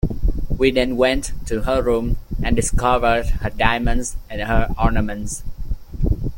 We then went to her room and discovered her diamonds and her ornaments.